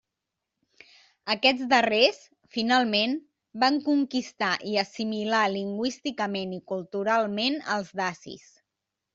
Aquests darrers, finalment, van conquistar i assimilar lingüísticament i culturalment els dacis.